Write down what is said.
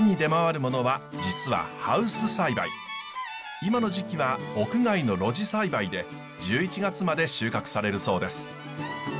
今の時期は屋外の露地栽培で１１月まで収穫されるそうです。